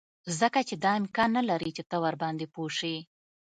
ځکه چې دا امکان نلري چې ته ورباندې پوه شې